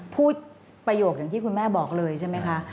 พูดประโยคอย่างที่คุณแม่บอกเลยใช่ไหมคะ